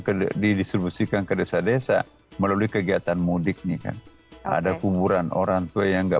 ke didistribusikan ke desa desa melalui kegiatan mudik nih kan ada kuburan orang tua yang enggak